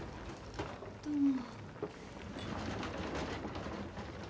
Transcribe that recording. どうも。